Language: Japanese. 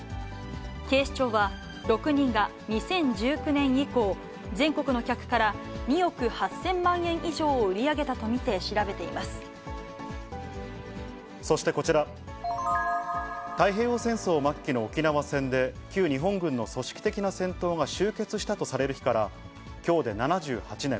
警視庁は、６人が２０１９年以降、全国の客から２億８０００万円以上を売り上げたと見て調べていまそしてこちら、太平洋戦争末期の沖縄戦で、旧日本軍の組織的な戦闘が終結したとされる日から、きょうで７８年。